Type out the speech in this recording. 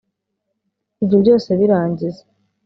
ibyo byose birangize”